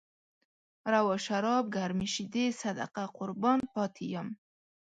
روا شراب، ګرمې شيدې، صدقه قربان پاتې يم